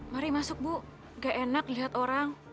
mari masuk bu gak enak lihat orang